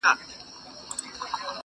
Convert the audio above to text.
لوی مُلا یې وو حضور ته ور بللی،